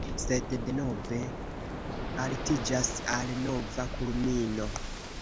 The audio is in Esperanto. Sed denove altiĝas al nova kulmino.